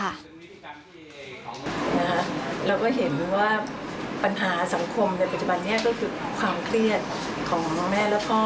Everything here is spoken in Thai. เราก็เห็นว่าปัญหาสังคมในปัจจุบันนี้ก็คือความเครียดของแม่และพ่อ